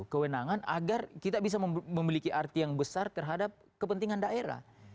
kewenangan agar kita bisa memiliki arti yang besar terhadap kepentingan daerah